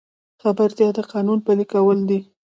خبرتیا د قانون پلي کول دي